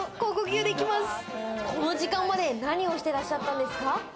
この時間まで何をしてらっしゃったんですか。